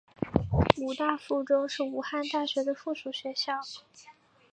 武大附中是武汉大学的附属学校。